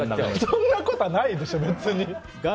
そんなことはないでしょ、別に。